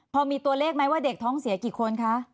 พอมีตัวเลขไหมว่าเด็กท้องเสียกี่คนคะ